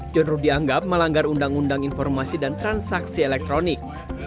john ruh dianggap melanggar undang undang informasi dan transaksi elektronik